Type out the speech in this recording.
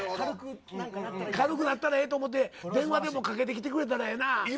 軽くなったらええと思って電話でもかけてくれたらええな。